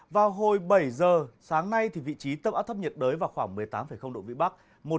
vào hồi bảy giờ sáng nay vị trí tâm áp thấp nhiệt đới vào khoảng một mươi tám độ vĩ bắc